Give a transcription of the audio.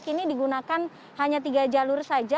kini digunakan hanya tiga jalur saja